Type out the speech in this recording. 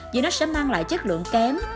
vì nó sẽ mang lại chất lượng kém